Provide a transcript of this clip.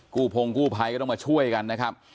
พงกู้ภัยก็ต้องมาช่วยกันนะครับ